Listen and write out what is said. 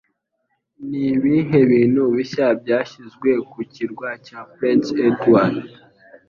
Nibihe bintu bishya byashyizwe ku kirwa cya Prince Edward?